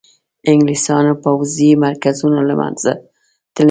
انګلیسیانو پوځي مرکزونه له منځه تللي.